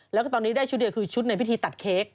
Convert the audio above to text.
แล้วก็ตอนนี้ได้ชุดเดียวคือชุดในพิธีตัดเค้ก